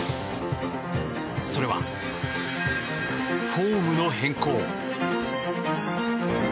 それは、フォームの変更。